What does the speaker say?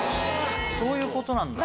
そういうことなんだ。